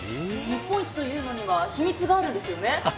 日本一というのには秘密があるんですよね？